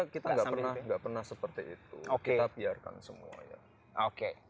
kita tidak pernah seperti itu kita biarkan semua